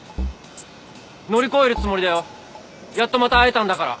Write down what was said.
乗り越えるつもりだよやっとまた会えたんだから。